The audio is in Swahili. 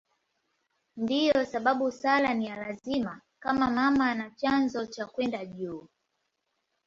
Ndiyo sababu sala ni ya lazima kama mama na chanzo cha kwenda juu.